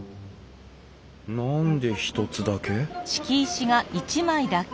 何で一つだけ？